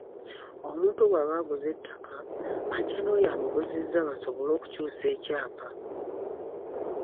Omuntu bw’aba aguze ettaka, ajja n’oyo eyamuguzizza basobole okukyusa ekyapa.